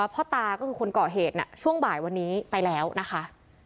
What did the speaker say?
พ่อตาก็คือคนก่อเหตุช่วงบ่ายวันนี้ไปแล้วนะคะ